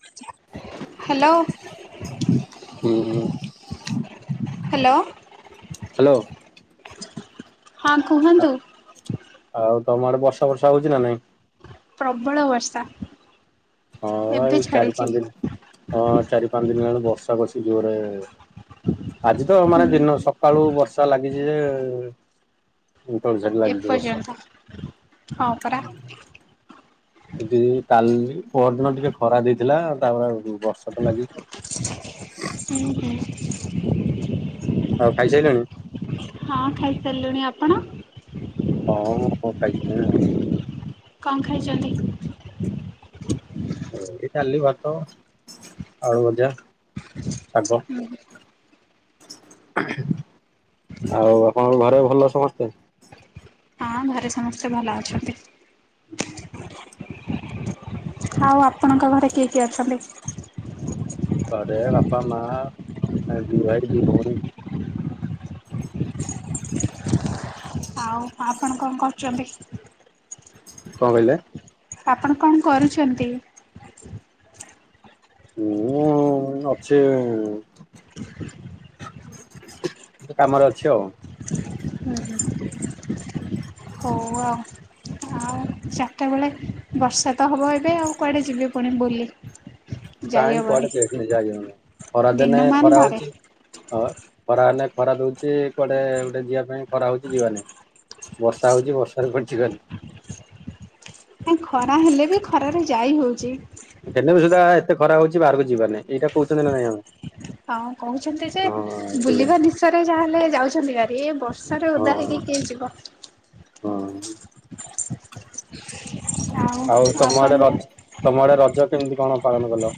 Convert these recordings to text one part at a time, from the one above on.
ହଛି [unintelligible] ହୁଁ। Hello hello. ହଁ କୁହନ୍ତୁ। ଆଉ ତମ ଆଡେ ବର୍ଷା ଫର୍ଷା ହଉଚି ନା ନାଇଁ? ପ୍ରବଳ ବର୍ଷା। ହଁ ଏବେ ଏଇ ଚାରି ଛାଡ଼ିଛି ପାଞ୍ଚ ଦିନ୍ -ହଁ ଚାରି ପାଞ୍ଚ ଦିନ ହେଲାଣି ବର୍ଷା ବର୍ଷି ଜୋର୍ ରେ ଆଜି ତ ମାନେ ଦିନ ସକାଳୁ ବର୍ଷା ଲାଗିଚି ଯେ ଉଁ- ତ ଏବେ ଯାକେ ଲାଗିଚି ବର୍ଷା। ଏପର୍ଯ୍ୟନ୍ତ ହଁ ପରା ହେଇତି ଯୁଗୁ କାଲି- ପର୍ ଦିନ ଟିକେ ଖରା ଦେଇଥିଲା ଆଉ ତାପରେ ବର୍ଷା ତ ଲାଗିବ। [inaudible] ଆଉ ଖାଇସାଇଲେଣି? ହଁ ଖାଇସାରିଲିଣି। ଆପଣ? ହଁ ମୁଁ ଖାଇସାରିଲିଣି ଆଉ। କଣ୍ ଖାଇଚନ୍ତି? ଏଇ ଡାଲି, ଭାତ, ଆଳୁ ଭଜା, ଶାଗ। ଆଉ ଆପଣଙ୍କ ଘରେ ଭଲ ସମସ୍ତେ? ହଁ ଘରେ ସମସ୍ତେ ଭଲ ଅଛନ୍ତି। ହୁଁ [unintelligible] ଆଉ ଆପଣଙ୍କ ଘରେ କିଏ କିଏ ଅଛନ୍ତି? ଘରେ ବାପା, ମା, ଦି ଭାଇ, ଦି ଭଉଣୀ। ଆଉ ଆପଣ କଣ୍ କରୁଚନ୍ତି? କଣ କହିଲେ? ଆପଣ କଣ କରୁଛନ୍ତି? ମୁଁ ଅଛି କିଛି କାମରେ ଅଛି ଆଉ। ହୋଉ ଆଉ। ଆଉ ଚାରିଟା ବେଳେ ବର୍ଷା ତ ହବ ଏବେ ଆଉ କୁଆଡେ ଯିବେ ପୁଣି ବୁଲି? କାଇଁ ଯାଇହବନି କୁଆଡେ ଯାଇହୋଉନି ଖରାଦିନେ ଦିନମାନ ଖରା ଘରେ ହଉଛି। ହଁ ଖରା ହେଲେ ଖରା ଦଉଛି କୁଆଡେ ଗୋଟେ ଯିବା ପାଇଁ ଖରା ହଉଛି ଯିବାନାଇଁ। ବର୍ଷା ହେଉଛି ବର୍ଷାରେ କୁଆଡେ ଯିବାନି। ନାଇଁ ଖରା ହେଲେ ବି ଖରାରେ ଯାଇ ହେଉଛି। ହେଲେ ବି ସୁଧା ଏତେ ଖରା ହଉଛି ବାହାରକୁ ଯିବା ନାଁ ଇ ଏଇଟା କହୁଛନ୍ତି ନା ନାଇଁ ଆମେ। ହଁ କହୁଛନ୍ତି ଯେ ହଁ ସେଇଆ। ବୁଲିବା ନିଶାରେ ଯାହାହେଲେ ଯାଉଛନ୍ତି ଭାରି ଏ ବର୍ଷା ରେ ହଁ ଓଦା ହେଇକି କିଏ ଯିବ। ହଁ ଆଉ ତମ ଆଡେ ରଜ ତମ ଆଡେ ରଜ କେମିତି କଣ ପାଳନ କଲ?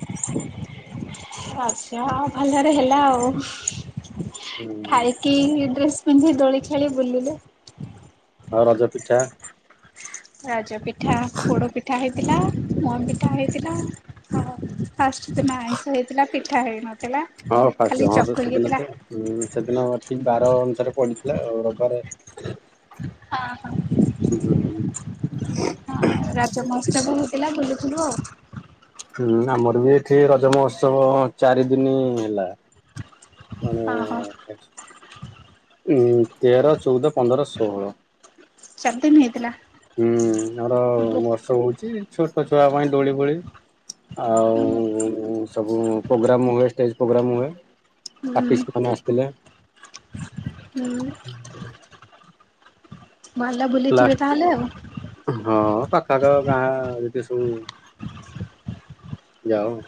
ଆଜ୍ଞା ଭଲରେ ହେଲା ଆଉ। ହୁଁ ଖାଇକି ଡ୍ରେସ୍ ପିନ୍ଧି ଦୋଳି ଖେଳି ବୁଲିଲେ। ଆଉ ରଜ ପିଠା? ରଜ ପିଠା ପୋଡ଼ ପିଠା ହେଇଥିଲା, ମୁଆଁ ପିଠା ହେଇଥିଲା, ଆଉ ଫାଷ୍ଟ୍ ଦିନ ଆଇଁଷ ହେଇଥିଲା ପିଠା ହେଇନଥିଲା। ହଁ ଖାଲି ଫାଷ୍ଟ୍ ହଁ ତ ଚକୁଳି ସେଦିନ ହେଇଥିଲା। ତ। ହୁଁ ସେଦିନ ଠିକ୍ ବାର ଅନୁସାରେ ପଡିଥିଲା ଆଉ ରବିବାରେ। ହଁ ହଁ [unintelligible] ଆଉ ରଜ ମହୋତ୍ସବ ହେଇଥିଲା ବୁଲୁଥିଲୁ ଆଉ। ହୁଁ ଆମର ବି ଏଠି ରଜ ମହୋତ୍ସବ ଚାରି ଦିନି ହେଲା। ମାନେ ହଁ ହଁ ଉଁ ତେର ଚଉଦ ପନ୍ଦର ଷୋହଳ। ଚାରିଦିନି ହେଇଥିଲା। ହୁଁ ଆମର ମହୋଷାଚଵ ହଉଛି ଛୋଟ ଛୁଆ ପାଇଁ ଦୋଳି ଫୋଳି। ଆଉ ସବୁ ପ୍ରୋଗ୍ରାମ ହୁଏ ଷ୍ଟେଜ୍ ପ୍ରୋଗ୍ରାମ ହୁଏ। ହୁଁ ଆଷ୍ଟିଟି ମାନେ ଆସିଥିଲେ। ହୁଁ ଭଲ ବୁଲିଥିବେ ଲାଷ୍ଟ ତାହେଲେ ଆଉ। ହଁ ପାଖାଆଖ ଗାଁ ଯେତିକ ସବୁ ଯାଉ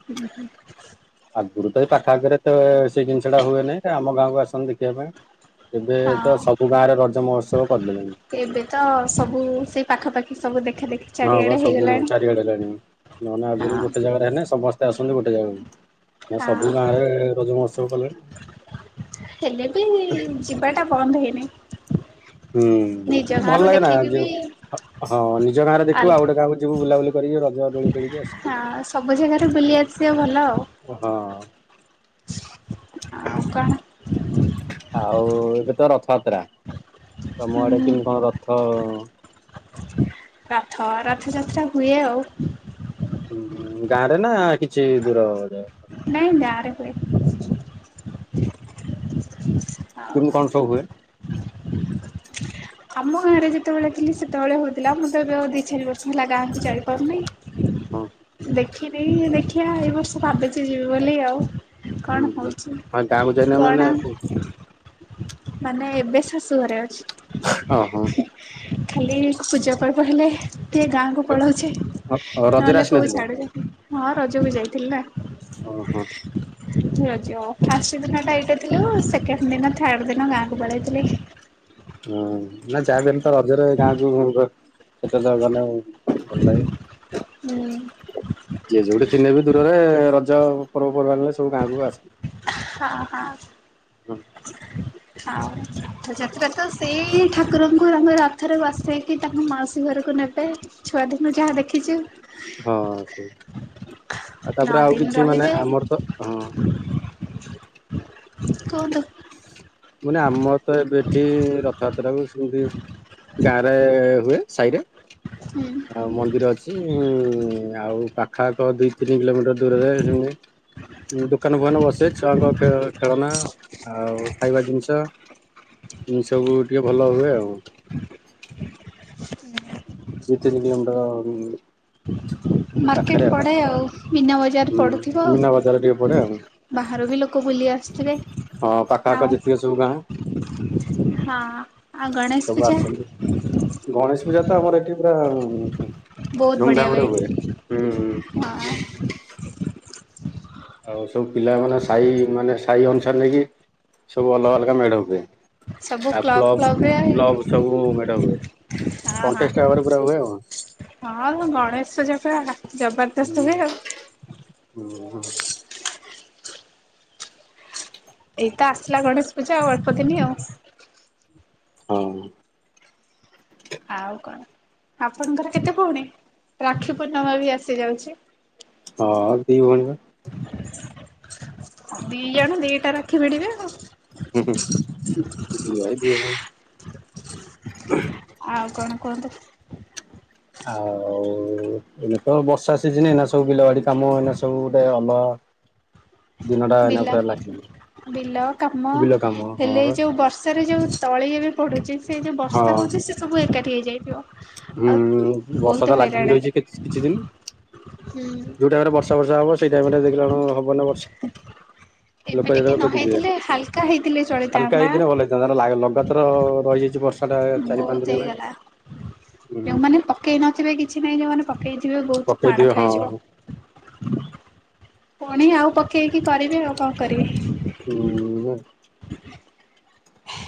[unintelligible] ଆଗରୁ ତ ଏ ପାଖ ଆଖରେ ତ ସେ ଜିନିଷ ଟା ହୁଏନି ଆମ ଗାଁକୁ ଆସୁନଥିଲେ ଦେଖିବା ପାଇଁ। ଏବେ ତ ହଁ ସବୁ ଗାଁରେ ରଜ ମହୋତ୍ସବ କରିଦେଲେଣି। ଏବେ ତ ସବୁ ସେଇ ପାଖାପାଖି ସବୁ ଦେଖା ଦେଖି ହଁ ବା ଚାରିଆଡେ ସବୁ ହେଇଗଲାଣି। ଚାରିଆଡେ ହେଲାଣି ନହଲେ ଆଗରୁ ହଁ ଗୋଟେ ଜାଗାରେ ହେଲେ ସମସ୍ତେ ଆସନ୍ତି ଗୋଟେ ଜାଗାକୁ। ନା ସବୁ ହଁ ଗାଁରେ ରଜ ମହୋତ୍ସବ କଲେଣି। ହେଲେ ବି ଯିବାଟା ବନ୍ଦ ହେଇନି। ନିଜ ହୁଁ ଭଲ ଗାଁରୁ ଲାଗେ ନା ଦେଖିକି ବି ହଁ ନିଜ ଗାଁ ରେ ଦେଖୁ ଆଉ ଅଲଗା ଗୋଟେ ଗାଁକୁ ଯିବୁ ବୁଲାବୁଲି କରି ରଜ ଦୋଳି ଖେଳିକି ଆସିବୁ। ହଁ ସବୁ ଜାଗାରେ ବୁଲି ଆସିବା ଭଲ ଆଉ। ହଁ। ଆଉ କଣ? ଆଉ ଏବେ ତ ରଥଆତ୍ରା, ତମ ଆଡେ ହୁଁ କେମିତି କଣ ରଥଁ? ରଥ-ଅ ରଥଯାତ୍ରା ହୁଏ, ଆଉ ହୁଁ, ଗାଁ ରେ ନା କିଛି ଦୂର ରେ ନାଇଁ, ଗାଁରେ ହୁଏ। ଆଉ କିମି କଣ ସଉ ହୁଏ? ଆମ ଗାଁ ରେ ଯେତେବେଳେ ଥିଲି, ସେତେବେଳେ ହଉଥିଲା ମୁଁ ତ ଏବେ ଆଉ ଦି ଚାରି ବର୍ଷ ହେଲା, ଗାଁକୁୁ ଯାଇ ପାରୁନି। ହଁ। ଦେଖିନି, ଦେଖିଆ, ଏଇ ବର୍ଷ ଭାବିଛି ଯିବି ବୋଲି ଆଉ। ହୁଁ କଣ ହୁଁ ହଉଛି, ହଁ ଗାଁକୁ ଯାଇନ ମାନେ କଣ? ମାନେ ଏବେ, ଶାଶୁ ଘରେ ଅଛି। ଅ, ହଁ। ଖାଲି ପୂଜା ପର୍ବ ହେଲେ ଟିକେ, ଗାଁକୁୁ ପଳଉଛି। ରଜରେ ନହେଲେ କୋଉ ଆସିନଥିଲେ? ଛାଡୁଛନ୍ତି। ହଁ ରଜକୁ ଯାଇଥିଲି ନା। ଓହୋ ରଜ ଫାଷ୍ଟ ଦିନ ଟା ଏଇଟେ ଥିଲୁ ସେକେଣ୍ଡ ଦିନ ଥାର୍ଡ ଦିନ ଗାଁକୁ ପଳେଇଥିଲି। ହଁ, ନା ଯାହାବି ହେନେ ତ ରଜରେ ଗାଁକୁ ଦ ସେଟା ତ ଗଲେ ଭଲ ଲାଗେ, ହୁଁ। ଯିଏ ଯୋଉଠି ଥିନେ ବି ଦୂରରେ, ରଜ ପର୍ବପର୍ବାଣଲେ ସବୁ ଗାଁକୁ ଆସ ହଁ, ହଁ। ଥାଉ ରଥ ଯାତ୍ରା ତ ସେଇ ଠାକୁରଙ୍କ [unintelligible] ରଥରେ ବସେଇକି ତାଙ୍କୁ ମାଉସୀ ଘରକୁ ନେବେ, ଛୁଆଦିନୁ ଯାହା ଦେଖିଛୁ। ହଁ, ସେଇ ଆଉ, ନଅ ତା'ପରେ ଆଉ ଦିନ କିଛି ମାନେ ରହିବେ ଆମର ତ, ହଁ। କଁ ଦ। ମାନେ ଆମର ତ ଏବେ ଏଠି ରଥଯାତ୍ରା ବି ସିଁତି ଗାଁରେ-ଏ ହୁଏ ସାହିରେ। ହୁଁ। ଆଉ ମନ୍ଦିର ଅଛି-ଇ, ଆଉ ପାଖ ଆଖ ଦି ତିନି କିଲୋମିଟର ଦୂର ରେ ସେମିତି ଦୋକାନ ଫୁକାନ ବସେ ଛୁଆଙ୍କ ଖେଳ ଖେଳନା ଆଉ ଖାଇବା ଜିନିଷ, ଇନ୍ ସବୁ ଟିକେ ଭଲ ହୁଏ ଆଉ। ଦୁଇ ତିନି କିଲୋମିଟର-ଉଁ ମାର୍କେଟ ପଡେ ଆଉ, ମିନା ବଜାର ହୁଁ ପଡୁଥିବ ମୀନା ବଜାର ଟିକେ ପଡେ ଆଉ। ଆଉ ବାହାରୁ ବି ଲୋକ ବୁଲି ଆସୁଥିବେ। ହଁ, ପାଖାଆଖ ଆଉ ଯେତିକି ସବୁ ଗାଁ ହଁ। ଆଉ ଗଣେଶ ସବୁ ପୂଜା ଆସିନ୍ତି। ଗଣେଶ ପୂଜା ତ ଆମର ଏଠି ପୁରା-ଆଁ ବହୁତ ଧୁମ୍ ବଢ଼ିଆ ଧାମ୍ ରେ ହୁଏ। ହୁଁ ହଁ ଆଉ ସବୁ ପିଲାମାନେ, ସାହି ମାନେ ସାହି ଅନୁସାରେ ନେଇକି, ସବୁ ଅଲଗା ଅଲଗା ମେଢ ହୁଏ। ସବୁ ଆଉ କ୍ଲବ୍ କ୍ଲବରେ କ୍ଲବ୍ ହଁ ସବୁ ମେଢ଼ ହୁଏ। କଣ୍ଟେଷ୍ଟ ହଁ। ଭାବରେ ପୁରା ହୁଏ ଆଉ। ହଁ, ଗଣେଶ ସଜା ପରା ହୁଁ, ହଁ। ଏଇତ ଆସିଲା ଗଣେଶ ପୂଜା, ଆଉ ଅଳ୍ପଦିନ ଆଉ। ହଁ। ଆଉ କଣ ଆପଣଙ୍କର କେତେ ଭଉଣୀ? ରାକ୍ଷୀ ପୂର୍ଣ୍ଣମା ବି ଆସି ଯାଉଛି। ହଁ ଦି ଭଉଣୀ ପା। ଦି ଜଣ ଦିଟା ରାକ୍ଷୀ ଭିଡିବେ ଆଉ। ହୁଁ ହୁଁ ଦି ଭାଇ ଦି ଭଉଣୀ। ଆଉ କଣ କୁହନ୍ତୁ। ଆଉ। ଏଇନେ ତ ବର୍ଷା ସିଜନ୍ ଏଇନେ ସବୁ ବିଲବାଡ଼ି କାମ ଏଇନା ସବୁ ଗୋଟେ ଅଲଗା। ଦିନଟା ଏଇନା ବିଲ ପୁରା ଲାଗିବ ବିଲ କାମ ବିଲ କାମ ହଁ ହେଲେ ବା ଏ ଯୋଉ ବର୍ ବର୍ଷା ରେ ଯଉ ତଳି ଏବେ ପଡ଼ୁଚି ସେ ଯଉ ହଁ। ବର୍ଷା ହଉଚି ସେ ସବୁ ଏକାଠି ହେଇଯାଇଥିବ। ହୁଁ, ଆଉ ବହୁତ ବର୍ଷା ତ ହଇରାଣ ଲାଗିକି ହେଲେ ରହିଚି କିଛି କିଛି ଦିନି। ହୁଁ। ଯୋଉ ଟାଇମ୍ ରେ ବ [unintelligible] ସେଇ ଟାଇମ୍ ରେ ଦେଖିଲା ବେଳକୁ ହବନି ବର୍ଷା। ଏବେ ଲୋକ ଟିକେ ଯେତେବେଳେ ନ ଖୋଜିଥିବେ। ହେଇଥିଲେ ହାଲକା ହେଇଥିଲେ ହାଲକା ଚଳିଥାନ୍ତା ହେଇଥିଲେ ଭଲ ହେଇ [unintelligible] ଲଗାତାର ରହିଯାଇଚି ବର୍ଷା ଟା ଚାରି ପାଞ୍ଚ ଦିନ ହେଲାଣି। ହୁଁ ଯେଉଁମାନେ ପକେଇ ନଥିବେ କିଛି ନାଇଁ ଯେଉଁମାନେ ପକେଇ ଥିବେ ବହୁତ୍ ମାଡ଼ ପକେଇଥିବେ ହଁ ଖାଇଯିବ। ପୁଣି ଆଉ ପକେଇକି କରିବେ ଆଉ କଣ କରିବେ। [unintelligible] [unintelligible]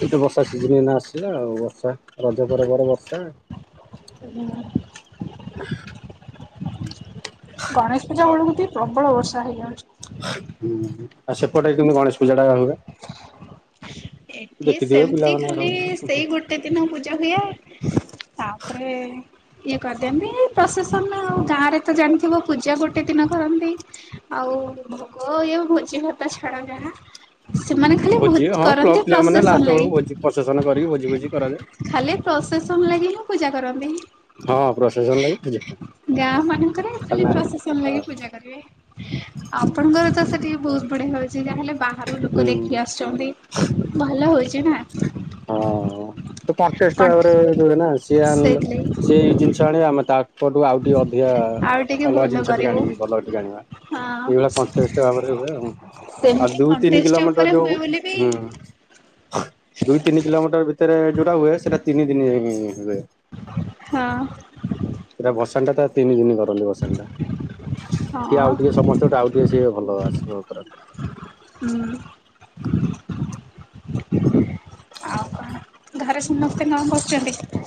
ଏଇତ ବର୍ଷା ସିଜନ୍ ଏଇନା ଆସିଲା ଆଉ। ବର୍ଷା ରଜ ପରେ ପରେ ବର୍ଷା। [inaudible] ଗଣେଶ ପୂଜା ବେଳକୁ ଟିକେ ପ୍ରବଳ ବର୍ଷା ହେଇଯାଉଚି। ଆଉ ସେପଟେ କେମତି ଗଣେଶ ପୂଜା ଟା ହୁଏ? ଏଠି ଦେଖିଥିବେ ସେମିତି ପିଲାମାନେ ଖାଲି ସବୁ। ସେଇ ଗୋ ଗୋଟେ ଦିନ ପୂଜା ହୁଏ। ତାପରେ ଇଏ କରିଦିଅନ୍ତି। ପ୍ରସେସନ ଆଉ ଗାଁ ରେ ତ ଜାଣିଥିବ ପୂଜା ଗୋଟେ ଦିନ କରନ୍ତି। ଆଉ ଭୋଗ ଇଏ ଭୋଜି ଭାତ ଛାଡ ଯାହା। ସେମାନେ ହୁଁ ଖାଲି ଭୋଜି ବହୁତ ହଁ କରନ୍ତି କ୍ଲବ୍ ପିଲା ମାନେ ପ୍ରସେସନ ଲାଷ୍ଟ ଲାଗି ବେଳକୁ ଭୋଜି ପ୍ରସେସନ କରିକି ଭୋଜି ଫୋଜି କରାଯାଏ। ଖାଲି ପ୍ରସେସନ ଲାଗି ହିଁ ପୂଜା କରନ୍ତି। ହଁ ପ୍ରସେସନ ଲାଗି ପୂଜା ହଁ ଗାଁ ମାନଙ୍କରେ ଖାଲି ପ୍ରସେସନ ଲାଗି ପୂଜା କରିବେ। ଆପଣଙ୍କର ତ ସେଠି ବହୁତ ବଢିଆ ଭାବେ ସେଠି ଯାହା ହେଲେ ବାହାରୁ ଲୋକ ହୁଁ। ଦେଖି ଆସୁଛନ୍ତି। ଭଲ ହଉଚି ନା। ହଁ। ତ କଣ୍ଟେଷ୍ଟ କଣ୍ଠ ଭାବରେ ହୁଏ ନା, ସିଏ ଆଣିଲେ ସେଇଥିଲାଗି ସିଏ ଜିନିଷ ଆଣିବା ଆମେ ତା ତାଙ୍କ ଠୁ ଆଉ ଟିକେ ଅଧିକା ଆଉ ଟିକେ ଅଲଗା ଭଲ ଜିନିଷ ଟିକେ କରିବୁ। ଆଣିକି ଭଲ ଟିକେ ଆଣିବା। ହଁ ଏଇଭଳିଆ କଣ୍ଟେଷ୍ଟ ଭାବରେ ହୁଏ ଆଉ। ସେମିତି ଦୁଇ ତିନି କଣ୍ଟେଷ୍ଟ କିଲୋମିଟର ଉପରେ ଯୋଉ ହୁଏ ହଉନି ବୋଲି ବି ଦୁଇ ତିନି କିଲୋମିଟର ଭିତରେ ଯୋଉରା ହୁଏ ସେଇଟା ତିନି ଦିନ ହୁଏ। ହଁ। ସେଟା ଭସାଣି ଟା ତା ତିନି ଦିନି କରନ୍ତି ଭସାଣି ଟା। ହଁ କିଏ ଆଉ ଟିକେ ସମସ୍ତେ ତ ଆଉ ଟିକେ ସିଏ ଭଲ ଆସିବ ପୁରା। [unintelligible] ଆଉ କଣ ଘରେ ସମସ୍ତେ କଣ କରୁଚନ୍ତି?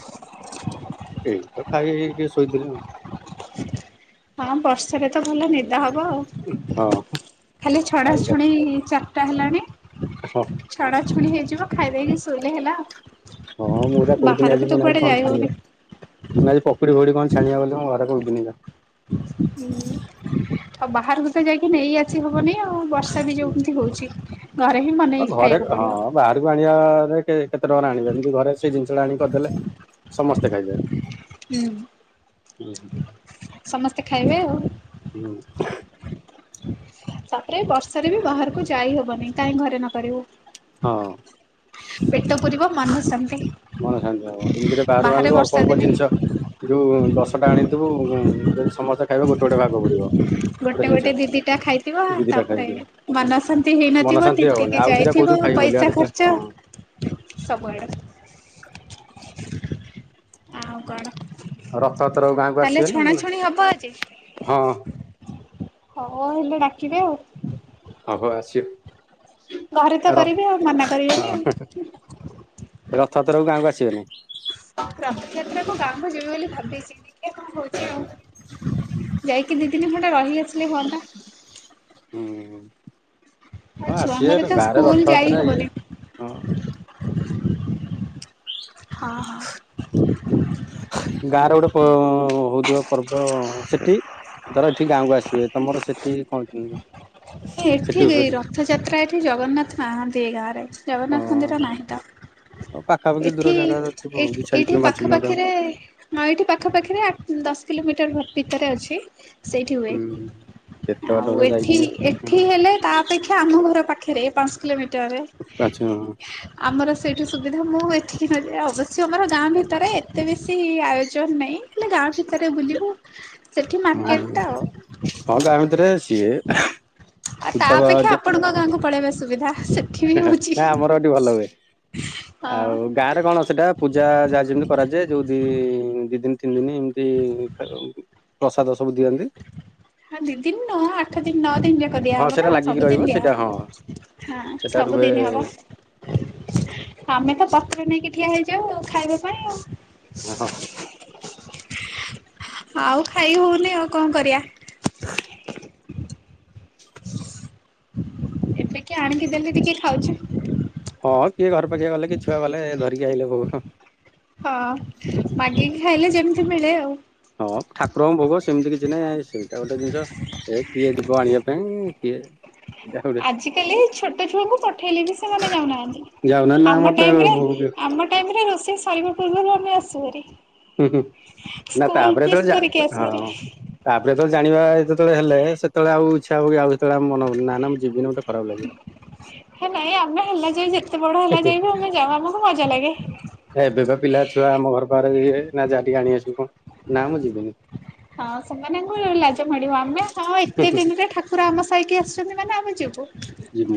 ଏଇ ତ ଖାଇକି ଶୋଇଥିଲେ ଆଉ। ହଁ ବର୍ଷାାରେ ତ ଭଲ ନି ଯାହା ହବ ଆଉ। ହଁ ଖାଲି ଛଣା ଖାଇ ଖାଇ ଛୁଣି ଚାରିଟା ହେଲାଣି। ହଁ। ଛଣା ଛୁଣି ହେଇଯିବ ଖାଇଦେଇକି ଶୋଇଲେ ହେଲା ଆଉ। ହଁ ମୁଁ ଏଟା କହୁଥିଲି ଆଜି କଣ ଟେ ଆଜି ଯାଇ କଣ ହଉନି ଛାଣିବା। ମୁଁ କହିଲି ଆଜି ପକୁଡିି ଫକୁଡ଼ି କଣ ଛାଣିବା ବୋଲି ମୁଁ ଘରେ କହୁଥିଲି। ହୁଁ ଆଉ ବାହାରକୁ ତ ଯାଇକି ନେଇ ଆସି ହବନି ଆଉ। ବର୍ଷା ବି ଯୋଉମିତି ହଉଛି ଘରେ ବି ହଁ ବନେଇକି ଘରେ ଖାଇବାକୁ ହଁ ପଡିବ। ବାହାରକୁ ଆଣିବାରେ କେତେ ଟଙ୍କା ଆଣିବେ ଏମିତି ଘରେ ସେଇ ଜିନିଷ ଟା ଆଣି କରିଦେଲେ ସମସ୍ତେ ଖାଇବେ। ହୁଁ। ହୁଁ। ସମସ୍ତେ ଖାଇବେ ଆଉ। ହୁଁ। ତାପରେ ବର୍ଷରେ ବି ବାହାରକୁ ଯାଇ ହବନି କାହିଁ ଘରେ ନ କରିବୁ। ହଁ। ପେଟ ପୁରିବ ମନ ଶାନ୍ତି ମନ ଶାନ୍ତି ହବ ଏମିତିରେ ବାହାରୁ ବାହାରେ ଆଣିଲୁ ଅଳ୍ପ ବର୍ଷା ଅଳ୍ପ ଦିନେ ଜିନିଷ। ଯୋଉ ଦଶଟା ଆଣିଥିବୁ ଯଦି ସମସ୍ତେ ଖାଇବେ ଗୋଟେ ଗୋଟେ ଭାଗ ପଡିବ। ଗୋଟେ ଗୋଟେ ଦି ଦି ଟା ଖାଇଥିବ ଦି ଦିଟା ତାପରେ ଖାଇଦିଅ ମନ ଶାନ୍ତି ମନ ହେଇନଥିବ ଶାନ୍ତି ତିନ୍ତି ହବନି କିି ଆଉ ଦିଟା ଯାଇଥିବ। କହୁଥିବୁ ଖାଇବୁ ବୋଲି ଆଉ ପଇସା ଦେଖିଲା ଖର୍ଚ୍ଚ ହଁ ସବୁଆଡ଼। ଆଉ କଣ? ରଥଯାତ୍ରାକୁ ଗାଁକୁ ତାହଲେ ଆସିବେ ନା ନା ଛଣାଛଣି ହବ ଆଜି? ହଁ ହଁ ହେଲେ ଡାକିବେ ଆଉ। ଆପଣ ଆସିବି। ଘରେ ତ ଆଉ ର କରିବେ ମନା ହଁ କରିବେନି ଆଉ। ହଁ। ରଥଯାତ୍ରାକୁ ଗାଁକୁ ଆସିବେନି? ରଥଯାତ୍ରା କୁ ଗାଁକୁ ଯିବି ବୋଲି ଭାବିଛି ଦେଖିବା କଣ ହଉଛି ଆଉ। ଯାଇକି ଦି ଦିନି ଖଣ୍ଡେ ରହି ଆ ହୁଁ ହୁଁ। ଆଉ ହଁ ଛୁଆଙ୍କର ଆସିବେ ତ ଗାଁରେ ସ୍କୁଲ ଯାଇ ରଥଯାତ୍ରା ଇଏ ହବନି। ହଁ। ହଁ ହଁ। ଗାଁ ରେ ପ ଗୋଟେ ହଉଥିବ ପର୍ବ ସେଠି ଧର ଏଠି ଗାଁକୁ ଆସିବେ ତମର ସେଠି କଣ କିମତି? ଏଠି ରଥଯାତ୍ରା ଏଠି ଜଗନ୍ନାଥ ନାହାନ୍ତି ଏ ଗାଁରେ। ଜଗନ୍ନାଥ ମନ୍ଦିର ନାହିଁ ତ। ହଁ ପାଖାପାଖି ଦୂର ଏଠି ଜାଗା ଥିବ ଏ ଦି ଚାରି ଏଠି କିଲୋ ପାଞ୍ଚ ପାଖା କିଲୋମିଟର ପାାଖିରେ ଆଁ ଏଇଠି ପାଖ ପାାଖିରେ ଆ ଦଶ କିଲୋମିଟର ଭିତରେ ଅଛି ସେଇଠି ହୁଏ ହୁଁ। ଏତେ ବାଟ ତ ଆଉ ଏଠି ଯାଇକି ଏଠି ଲେ ତା ଅପେକ୍ଷା ଆମ ଘର ପାଖରେ ପାଞ୍ଚ କିଲୋମିଟରରେ ପାଞ୍ଚ ହୁଁ ଆମର ସେଇଠୁ ସୁବିଧା ମୁଁ ଏତିକି ନ ଯେ ଅବଶ୍ୟ ଆମର ଗାଁ ଭିତରେ ଏତେ ବେଶୀ ଆୟୋଜନ ନାହିଁ। ହେଲେ ଗାଁ ଭିତରେ ବୁଲିବୁ ସେଠି ମାର୍କେଟ ଟା ଆଉ। ହଁ ଗାଁ ଭିତରେ ସିଏ ଆଉ ତା ପୂଜା ବା ଅପେକ୍ଷା ଆପଣଙ୍କ ଗାଁକୁ ପଳେଇବା ସୁବିଧା। ବି ହେ ହେ ହଉଛି ଆମର ଏଠି ଭଲ ହୁଏ ହଁ। ଆଉ ଗାଁରେ କଣ ସେଟା ପୂଜା ଯାହା ଯେମିତି କରାଯାଏ ଯୋଉ ଦି ଦି ଦିନ ତିନି ଦିନ ଏମିତି ପ୍ରସାଦ ସବୁ ଦିଅନ୍ତି। ହଁ ଦି ଦିନ ନ ଆଠ ଦିନ ନଅ ଦିନ ଯାକ ଦିଆ ହଁ ହବ ସେଇଟା ନା ଲାଗିକି ରହିବ ସବୁଦିନ ସେଇଟା ହଁ ଦିଆହବ ହ ସେଇଟା ରୁହେ ସବୁଦିନ ହବ। ଆମେ ତ ପତ୍ର ନେଇକି ଠିଆ ହେଇଯାଉ ଖାଇବା ପାଇଁ ହଁ ଆଉ। ଆଉ ଖାଇ ହଉନି ଆଉ କଣ କରିବା। ହଁ [inaudible] ଟିକି ଆଣିକି ଦେଲେ ଟିକେ ଖାଉଛୁ। ହଁ କିଏ ଘର ପାଖିଆ ଗଲେ କି ଛୁଆ ଗଲେ ଧରିକି ଆଇଲେ ଭୋଗ ହଁ ମାଗିକି ଖାଇଲେ ଯେମିତି ମିଳେ ଆଉ। ହଁ ଠାକୁରଙ୍କ ଭୋଗ ସେମିତି କିଛି ନାଇଁ ସେଇଟା ଗୋଟେ ଜିନିଷ ଏ କିଏ ଯିବ ଆଣିବା ପାଇଁ। କିଏ? ଏଇଟା ଗୋଟେ ଆଜ କାଲି ଛୋଟ ଛୁଆଙ୍କୁ ପଠେଇଲେ ବି ସେମାନେ ଯାଉନାହାନ୍ତି। ଯାଉନା ନା ଆମ ମତେ ଟାଇରେ ହୁଁ ହୁଁ ଆମ ଟାଇରେ ରୋଷେଇ ସାରିବା ପୂର୍ବରୁ ଆମେ ଆସୁ ହାରି। ହୁଁ ହୁଁ ନା ତାପରେ ତ ଯା କରିକି ଆସୁଭାରି। ହଁ। ତାପରେ ଯେତଳେ ଜାଣିବା ଯେତଳେ ହେଲେ ସେତଳେ ଆଉ ଇଚ୍ଛା ହବ କି ଆଉ ସେତଳେ ଆଉ ମନ ହବ କି ନା ନା ମୁଁ ଯିବିନି ମୋତେ ଖରାପ ଲାଗିବ। ହେ ନାଇଁ ଆମେ ହେଲା ଯାଏ ଯେତେ ବଡ ହେଲା ଯାଏ ବି ଆମେ ଯାଉ ଆମକୁ ମଜା ଲାଗେ। ଏବେ ପା ପିଲା ଛୁଆ ଆମ ଘର ପାଖରେ ଯିଏ ନା ଯା ଟିକେ ଆଣି ଆସିବୁ କଣ ନା ମୁଁ ଯିବିନି। ହଁ ସେମାନଙ୍କୁ ଲାଜ ମାଡିବ ଆମେ ହଁ ଏତେ ଦିନରେ ଠା କୁର ଆମ ସାଇକି ଆସିଛନ୍ତି ମାନେ ଆମେ ଯିବୁ। ଜିମୁ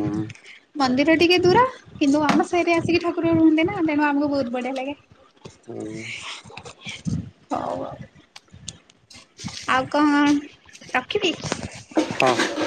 ମନ୍ଦିର ଟିକେ ଦୂର କିନ୍ତୁ ଆମ ସାଇରେ ଆସିକି ଠାକୁର ରୁହନ୍ତି ନା ତେଣୁ ଆମକୁ ବହୁତ ବଢିଆ ଲାଗେ। ଆଉ ହଉ ଆଉ। ଆଉ କଣ? ରଖିବି? ହଁ।